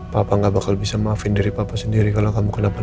papa gak bakal bisa maafin diri papa sendiri kalau kamu kenapa